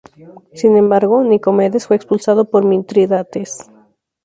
Sin embargo, Nicomedes fue expulsado por Mitrídates.